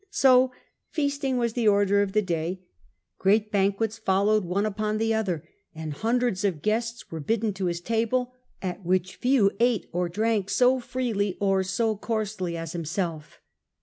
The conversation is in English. So feasting was the order of the day ; great ban quets followed one upon the other, and hundreds of guests were bidden to his table, at which few ate or drank so freely or so coarsely as himseli.